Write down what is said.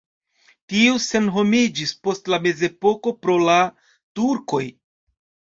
Tiu senhomiĝis post la mezepoko pro la turkoj.